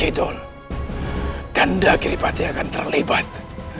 kedol guru gandha giripati akan terlibat